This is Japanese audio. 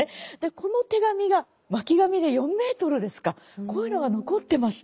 この手紙が巻紙で４ｍですかこういうのが残ってました。